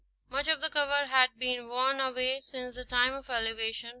Much of the cover has been worn away since the time of elevation (figs.